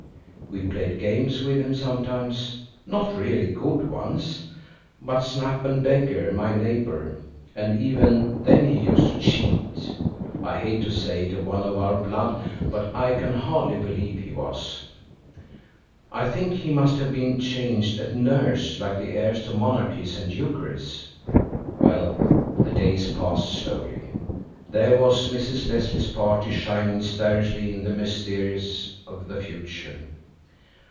We played games with him sometimes, not really good ones, but Snap and Beggar my Neighbour, and even then he used to cheat. I hate to say it of one of our blood, but I can hardly believe he was. I think he must have been changed at nurse like the heirs to monarchies and dukeries. Well, the days passed slowly. There was Mrs. Leslie's party shining starrishly in the mysteries of the future.